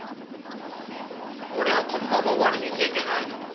俺はこのまま終わる人間じゃないのに。